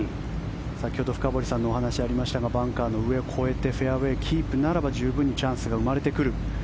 先ほど深堀さんのお話がありましたがバンカーの上を越えてフェアウェーキープならば十分にチャンスが生まれてくる。